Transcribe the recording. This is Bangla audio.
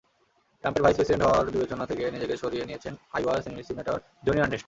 ট্রাম্পের ভাইস প্রেসিডেন্ট হওয়ার বিবেচনা থেকে নিজেকে সরিয়ে নিয়েছেন আইওয়ার সিনেটর জোনি আর্নেস্ট।